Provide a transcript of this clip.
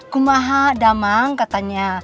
guma hada mang katanya